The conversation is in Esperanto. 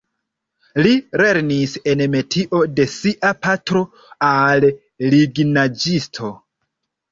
Li lernis en metio de sia patro al lignaĵisto.